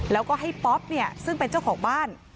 แล้วก็ให้ป๊อปเนี่ยซึ่งเป็นเจ้าของบ้าน